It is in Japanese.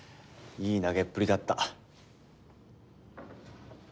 いい投げっぷりだった。